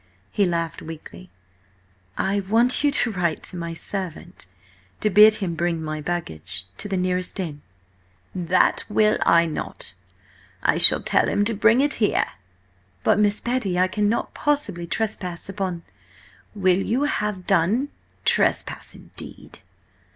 He laughed weakly. "I want you to write to my servant, to bid him bring my baggage to the nearest inn—" "That will I not! I shall tell him to bring it here." "But, Miss Betty, I cannot possibly trespass upon—" "Will you have done? Trespass indeed!"